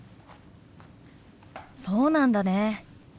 そうなんだね。